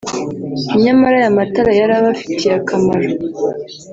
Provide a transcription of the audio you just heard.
nyamara aya matara yari abafitiye akamaro